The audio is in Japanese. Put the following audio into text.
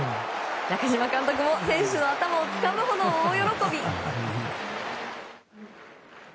中嶋監督も選手の頭をつかむほど大喜び。